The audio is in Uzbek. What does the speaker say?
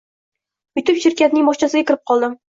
Yurib shirkatning bogʻchasiga kirib qoldim.